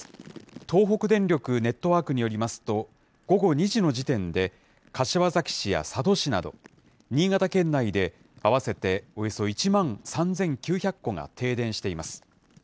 東北電力ネットワークによりますと、午後２時の時点で、柏崎市や佐渡市など、新潟県内で合わせておよそ１万３９００戸が停電しています。